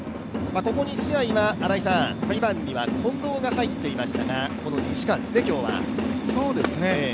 ここ２試合は２番には近藤が入っていましたが、今日は西川ですね。